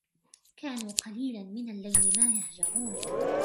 كانوا قليلا من الليل ما يهجعون